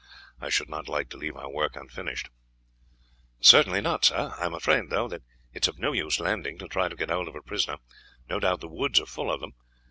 I should not like to leave our work unfinished." "Certainly not, sir. I am afraid, though, it is of no use landing to try to get hold of a prisoner. No doubt the woods are full of them.